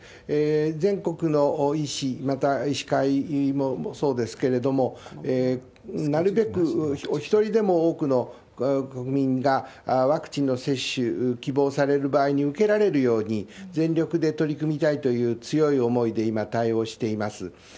全国の医師、また医師会もそうですけれども、なるべくお一人でも多くの国民がワクチンの接種、希望される場合に受けられるように全力で取り組みたいという強い思いで今、対応しています。